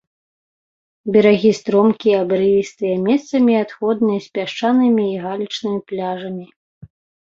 Берагі стромкія абрывістыя, месцамі адхонныя з пясчанымі і галечнымі пляжамі.